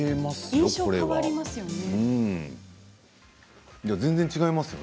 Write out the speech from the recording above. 印象が変わりますね。